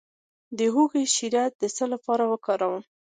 د هوږې شیره د څه لپاره وکاروم؟